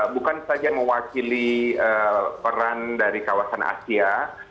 bukan saja mewakili peran dari kawasan asia